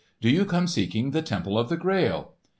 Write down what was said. Do you come seeking the Temple of the Grail?